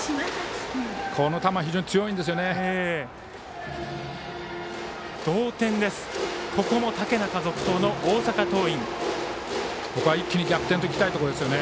この球、非常に強いんですよね。